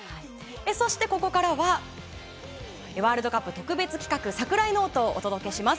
そしてここからはワールドカップ特別企画櫻井ノートをお届けします。